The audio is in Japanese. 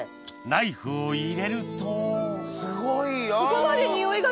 ナイフを入れるとすごいよ！